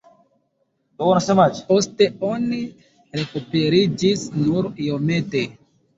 Poste oni rekuperiĝis nur iomete.